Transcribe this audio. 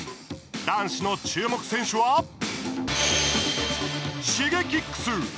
男子の注目選手はＳｈｉｇｅｋｉｘ。